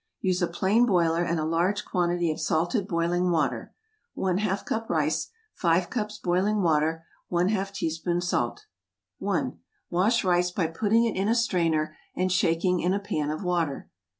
Use a plain boiler and a large quantity of salted boiling water. ½ cup rice 5 cups boiling water ½ teaspoon salt 1. Wash rice by putting it in a strainer and shaking in a pan of water.